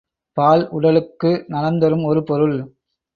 பால் உடலுக்கு நலம் தரும் ஒரு பொருள்.